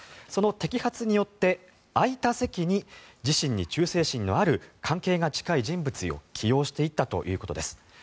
その摘発によって空いた席に自身に忠誠心のある関係が近い人物を起用していったということです。